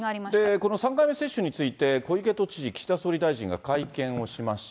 この３回目接種について、小池都知事、岸田総理大臣が会見をしました。